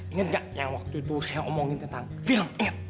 engga yang waktu itu saya omongin tentang film inget